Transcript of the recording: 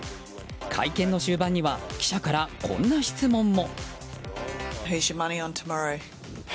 会見の終盤には記者からこんな質問も。